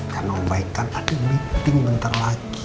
karena om baik kan ada meeting bentar lagi